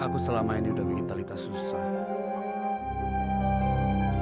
aku selama ini udah bikin talitha susah